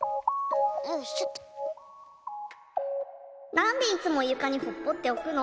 「なんでいつもゆかにほっぽっておくの？